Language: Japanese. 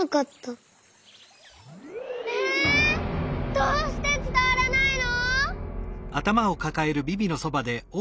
どうしてつたわらないの？